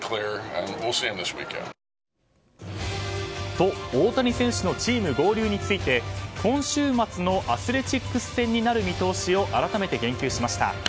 と、大谷選手のチーム合流について今週末のアスレチックス戦になる見通しを改めて言及しました。